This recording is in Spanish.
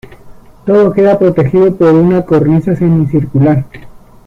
Todo queda protegido por una cornisa semicircular.